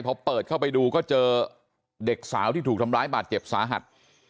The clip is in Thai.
พอเปิดเข้าไปดูก็เจอเด็กสาวที่ถูกทำร้ายบาดเจ็บสาหัส